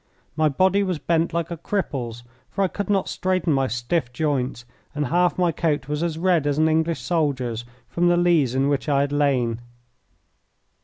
My body was bent like a cripple's, for I could not straighten my stiff joints, and half my coat was as red as an English soldier's from the lees in which I had lain.